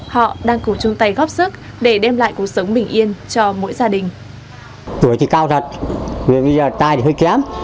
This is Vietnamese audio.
họ đang có thể tìm hiểu và tìm hiểu